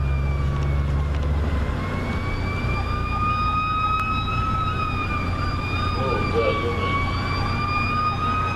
Luùŋga li nò ànànà.